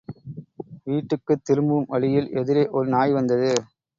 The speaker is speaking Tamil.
வீட்டுக்குத் திரும்பும் வழியில் எதிரே ஒரு நாய் வந்தது.